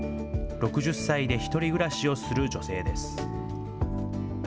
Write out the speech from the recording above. ６０歳で１人暮らしをする女性です。